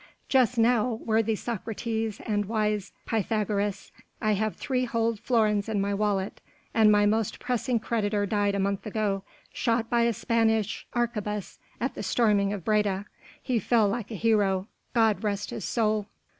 "Just now, worthy Socrates and wise Pythagoras, I have three whole florins in my wallet, and my most pressing creditor died a month ago shot by a Spanish arquebuse at the storming of Breda he fell like a hero God rest his soul!